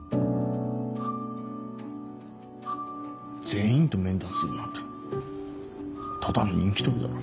全員と面談するなんてただの人気取りだろ。